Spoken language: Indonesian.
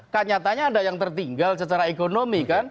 kan nyatanya ada yang tertinggal secara ekonomi kan